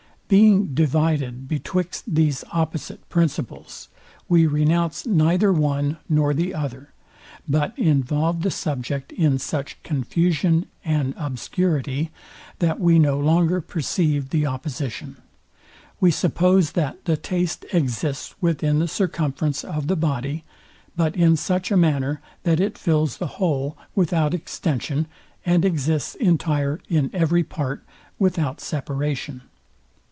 Being divided betwixt these opposite principles, we renounce neither one nor the other, but involve the subject in such confusion and obscurity, that we no longer perceive the opposition. We suppose, that the taste exists within the circumference of the body, but in such a manner, that it fills the whole without extension, and exists entire in every part without separation.